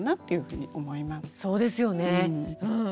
そうですよねうん。